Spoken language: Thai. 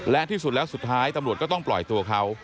และที่สุดแล้วสุดท้ายตำรวจก็ต้องปล่อยตัวเขา